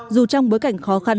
dù trong bối cảnh khó khăn